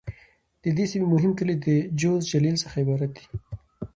د دې سیمې مهم کلي د: جوز، جلیل..څخه عبارت دي.